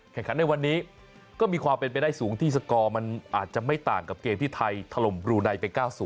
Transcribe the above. ขันในวันนี้ก็มีความเป็นไปได้สูงที่สกอร์มันอาจจะไม่ต่างกับเกมที่ไทยถล่มบลูไนไป๙๐